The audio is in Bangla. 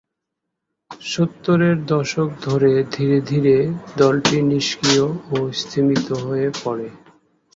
সত্তরের দশক ধরে ধীরে ধীরে দলটি নিস্ক্রিয় ও স্তিমিত হয়ে পড়ে।